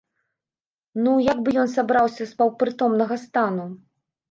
Ну, як бы ён сабраўся з паўпрытомнага стану.